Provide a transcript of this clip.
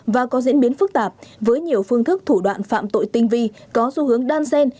và có diễn biến phức tạp với nhiều phương thức thủ đoạn phạm tội tinh vi có xu hướng đan xen